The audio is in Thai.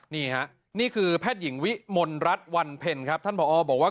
นี่คือแพทยิ่งวิมนรัตวันเพ็ญว่า